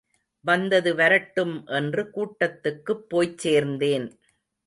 வந்தது வரட்டும் என்று கூட்டத்துக்குப் போய்ச் சேர்ந்தேன்.